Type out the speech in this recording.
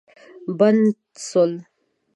بند سول.